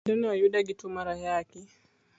Kendo ne oyude gi tuo mar Ayaki.